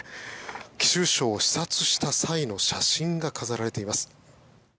貴州省を視察した際の写真が飾られています。